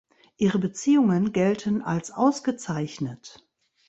Ihre Beziehungen gelten als ausgezeichnet.